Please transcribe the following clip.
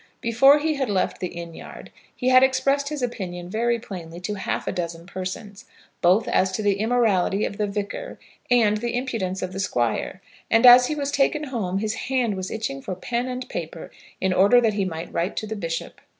Before he had left the inn yard he had expressed his opinion very plainly to half a dozen persons, both as to the immorality of the Vicar and the impudence of the Squire; and as he was taken home his hand was itching for pen and paper in order that he might write to the bishop.